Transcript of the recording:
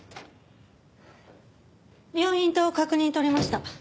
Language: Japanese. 病院と確認取れました。